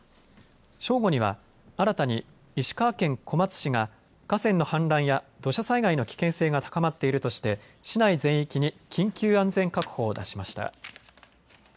正午には新たに石川県小松市が河川の氾濫や土砂災害の危険性が高まっているとして市内全域に緊急安全確保を出しました。